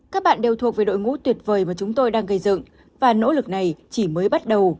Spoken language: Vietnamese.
các bạn đều thuộc về đội ngũ tuyệt vời mà chúng tôi đang gây dựng và nỗ lực này chỉ mới bắt đầu